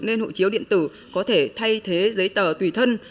nên hộ chiếu điện tử có thể thay thế giấy tờ tùy thân